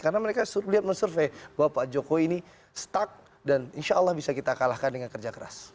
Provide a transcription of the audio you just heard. karena mereka lihat men survey bahwa pak jokowi ini stuck dan insya allah bisa kita kalahkan dengan kerja keras